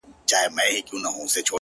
o زما د زما د يار راته خبري کوه،